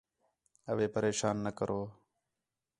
اوے پریشان نہ کرو